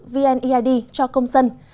vneid cho công dân